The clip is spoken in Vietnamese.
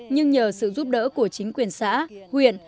nhưng nhờ sự giúp đỡ của chính quyền xã huyện